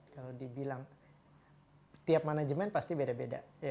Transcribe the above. kalau dibilang tiap manajemen pasti beda beda